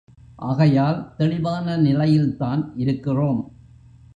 ஆகையால் தெளிவான நிலையில்தான் இருக்கிறோம்.